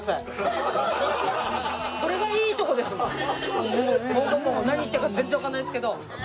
もごもご何言ってるか全然わからないですけど。